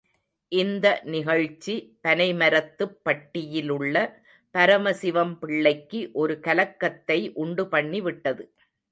இந்த நிகழ்ச்சி பனைமரத்துப்பட்டியிலுள்ள பரம சிவம் பிள்ளைக்கு ஒரு கலக்கத்தை உண்டு பண்ணி விட்டது.